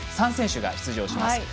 ３選手が出場します。